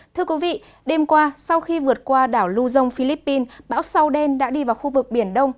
thưa quý vị đêm qua sau khi vượt qua đảo luzon philippines bão sâu đen đã đi vào khu vực biển đông